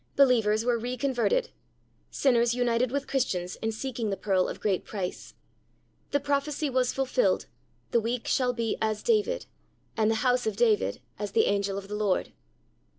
Believers were re converted. Sinners united with Christians in seeking the pearl of great price. The prophecy was fulfilled. The weak shall be "as David," and the house of David "as the angel of the Lord."'